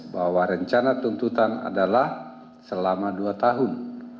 bahwa rencana tuntutan adalah selama dua tahun